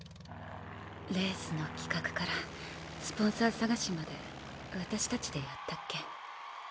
レースの企画からスポンサー探しまで私たちでやったっけ。